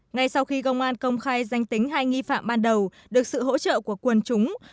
ngay sau khi công an công khai danh tính hai nghi phạm ban đầu được sự hỗ trợ của quần chúng